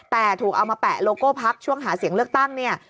แต่ถูกเอามาแปะโลโก้พักช่วงหาเสียงเลือกตั้งเนี่ย